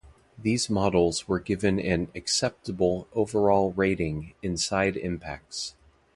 These models were given an "acceptable" overall rating in side impacts.